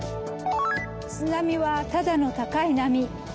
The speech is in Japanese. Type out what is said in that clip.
津波はただの高い波。